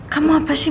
kamu apa sih